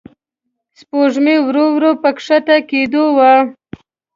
سپوږمۍ ورو ورو په کښته کېدو وه.